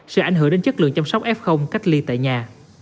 sẽ ảnh hưởng đến chất lượng chăm sóc f cách ly tại nhà